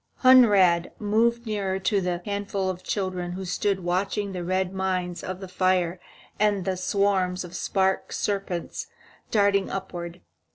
Hunrad moved nearer to the handful of children who stood watching the red mines in the fire and the swarms of spark serpents darting upward.